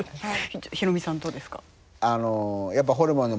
ヒロミさんはどうですか？